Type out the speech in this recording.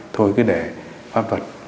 thôi cứ để phát vật